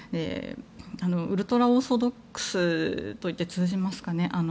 ウルトラオーソドックスと言って通じますかね？